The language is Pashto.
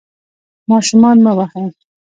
ماشومان مه وهئ.